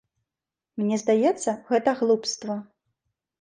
Мне здаецца, гэта глупства.